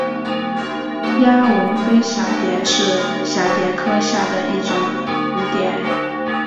丫纹俳蛱蝶是蛱蝶科下的一种蝴蝶。